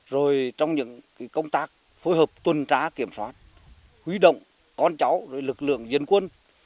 rồi trong những công tác phối hợp tuân trá kiểm soát huy động con cháu lực lượng dân quân